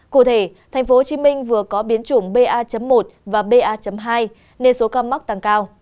cụ thể thành phố hồ chí minh vừa có biến chủng ba một và ba hai nên số ca mắc tăng cao